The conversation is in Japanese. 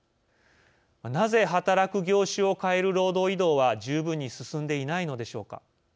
なぜ働く業種を変える労働移動は十分に進んでいないのでしょうか。